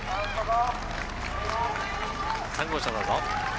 ３号車、どうぞ。